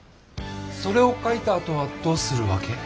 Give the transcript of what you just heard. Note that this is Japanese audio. それを書いたあとはどうする訳？